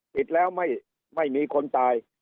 ติดแล้วไม่มีคนตาย